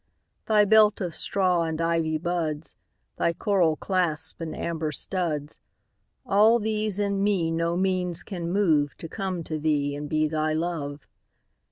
Thy belt of straw and ivy buds, Thy coral clasps and amber studs,—All these in me no means can moveTo come to thee and be thy Love.